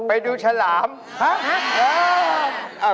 ไปดูฉลามฮะฮะ